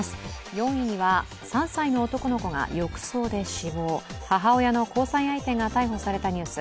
４位には３歳の男の子が浴槽で死亡、母親の交際相手が逮捕されたニュース。